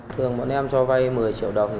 thường bọn em cho vay một mươi triệu đồng